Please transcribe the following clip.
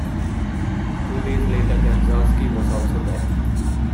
Two days later, Ganczarksi was also there.